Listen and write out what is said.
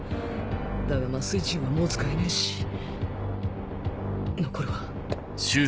だが麻酔銃はもう使えねえし残るは